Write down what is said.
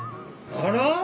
あら？